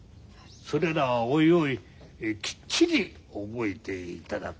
それらはおいおいきっちり覚えていただく。